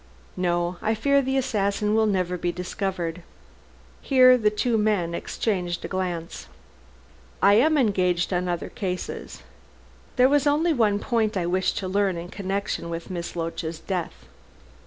"No. I fear the assassin will never be discovered." Here the two men exchanged a glance. "I am engaged on other cases. There was only one point I wished to learn in connection with Miss Loach's death."